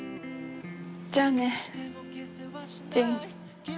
じゃあね仁。